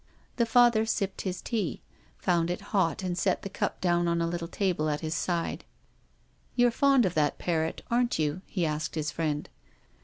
The Father sipped his tea, found it hot and set the cup down on a little table at his side. " You're fond of that parrot, aren't you ?" he asked his friend.